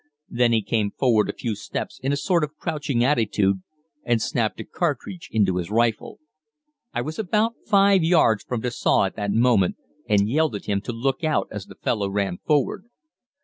Then he came forward a few steps in a sort of crouching attitude and snapped a cartridge into his rifle. I was about 5 yards from Dessaux at the moment, and yelled at him to look out as the fellow ran forward.